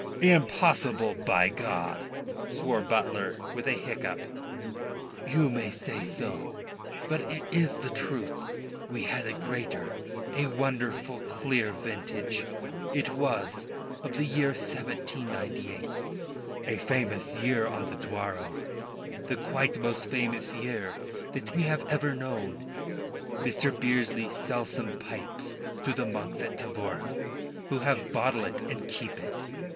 "Impossible, by God," swore Butler, with a hiccup. "You may say so; but it is the truth. We had a greater; a wonderful, clear vintage it was, of the year 1798 a famous year on the Douro, the quite most famous year that we have ever known. Mr. Bearsley sell some pipes to the monks at Tavora, who have bottle it and keep it.